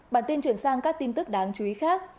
bản tin chuyển sang các tin tức đáng chú ý khác